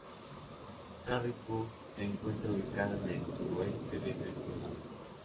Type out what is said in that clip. Harrisburg se encuentra ubicada en el sudoeste de Pensilvania.